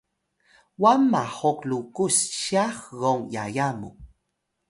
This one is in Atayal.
wan mahuq lukus syax gong yaya mu